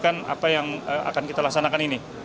apa yang akan kita laksanakan ini